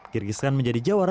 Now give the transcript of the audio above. kyrgyzstan menjadi jawara